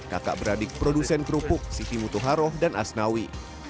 kakak beradik produsen kerupuk siti mutuharoh dan asnawi